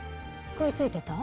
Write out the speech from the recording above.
食いついてた？